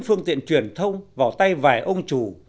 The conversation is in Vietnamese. phương tiện truyền thông vào tay vài ông chủ